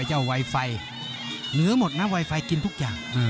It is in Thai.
ไวไฟเหลือหมดนะไวไฟกินทุกอย่าง